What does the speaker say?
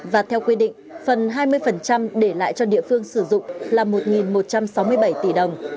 và theo quy định phần hai mươi để lại cho địa phương sử dụng là một một trăm sáu mươi bảy tỷ đồng